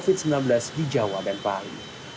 pencegahan penyebaran covid sembilan belas di jawa dan bali